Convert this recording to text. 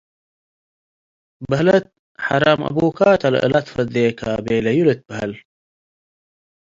በሀለት፤ “ሐራም አቡካ ተ ለእለ ትፈዴ'ከ' ቤለዩ ልትበሀል።